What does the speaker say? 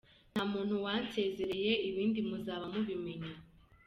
Nta muntu wansezereye ibindi muzaba mubimenya.